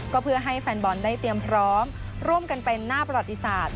ก็เพื่อให้แฟนบอลได้เตรียมพร้อมร่วมกันเป็นหน้าประวัติศาสตร์